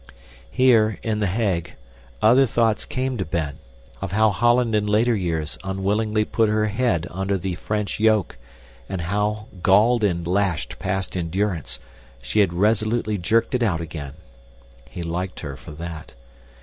Here, in The Hague, other thoughts came to Ben of how Holland in later years unwillingly put her head under the French yoke, and how, galled and lashed past endurance, she had resolutely jerked it out again. He liked her for that.